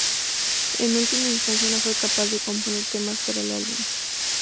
En última instancia, no fue capaz de componer temas para el álbum.